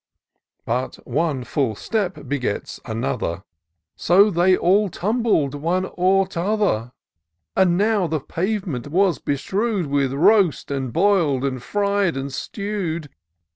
But one false step begets another, So they all tumbled one o'er t'other; And now the pavement was bestrew'd With roast and boil'd, and firied and stew'd.